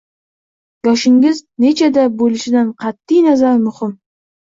Yoshingiz nechada bo'lishidan qat'i nazar muhim.